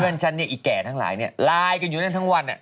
ฉันเนี่ยอีแก่ทั้งหลายเนี่ยไลน์กันอยู่นั่นทั้งวัน